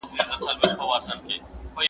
زه اوس سبزیجات تياروم،